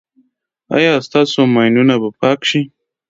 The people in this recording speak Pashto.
ایا ستاسو ماینونه به پاک شي؟